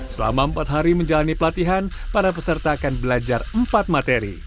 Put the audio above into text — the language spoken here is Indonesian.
selama empat hari menjalani pelatihan para peserta akan belajar empat materi